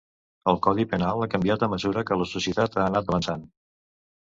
El codi penal ha canviat a mesura que la societat ha anat avançant.